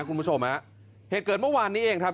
คุณผู้ชมฮะเหตุเกิดเมื่อวานนี้เองครับ